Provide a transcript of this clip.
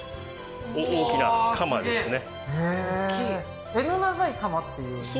大きな鎌ですね